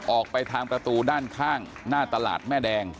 ออกไปทางประตูด้านข้างหน้าตลาดแม่แดง